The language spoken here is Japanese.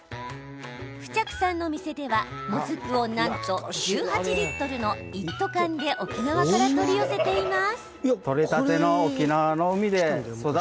冨着さんの店では、もずくをなんと１８リットルの一斗缶で沖縄から取り寄せています。